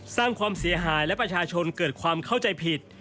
สร้างความเสียหายและประชาชนเกิดความเข้าใจผิด